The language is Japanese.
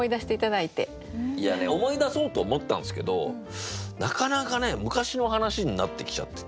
いやね思い出そうと思ったんですけどなかなかね昔の話になってきちゃってて。